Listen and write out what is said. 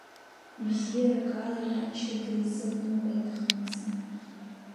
Бзиарак ала ианшьа дизымныҟәеит Хымца.